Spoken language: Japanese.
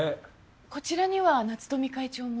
こちらには夏富会長も？